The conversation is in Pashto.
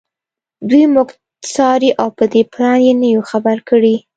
دوی موږ څاري او په دې پلان یې نه یو خبر کړي